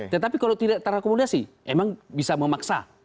tetapi kalau tidak terakomodasi emang bisa memaksa